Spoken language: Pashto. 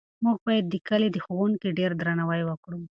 موږ باید د کلي د ښوونکي ډېر درناوی وکړو.